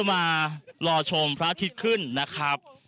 มารอชมพระอาทิตย์ขึ้นนะครับ